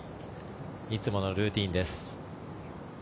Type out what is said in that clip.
いつものルーチンです。